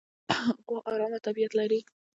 غوا ارامه طبیعت لري.